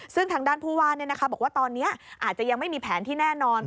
ซึ่งทางด้านผู้ว่าบอกว่าตอนนี้อาจจะยังไม่มีแผนที่แน่นอน